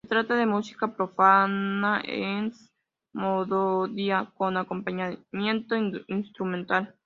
Se trata de música profana, es monodia con acompañamiento instrumental.